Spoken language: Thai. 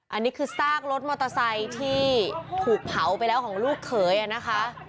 อันนี้คือซากรถมอเตอร์ไซค์ที่ถูกเผาไปแล้วของลูกเขยนะคะ